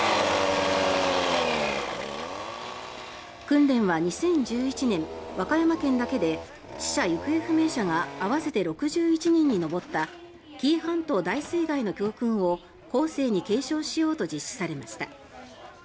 訓練は２０１１年、和歌山県だけで死者・行方不明者が合わせて６１人に上った紀伊半島大水害の教訓を後世に継承しようと実施されました。